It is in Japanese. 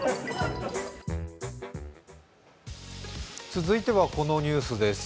続いてはこのニュースです。